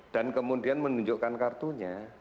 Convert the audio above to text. dan kemudian menunjukkan kartunya